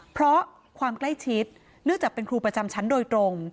เพราะความใกล้ชิดเนื่องจากเป็นครูประจำชั้นโดยตรง